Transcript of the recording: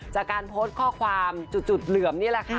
จากการโพสต์ข้อความจุดเหลือมนี่แหละค่ะ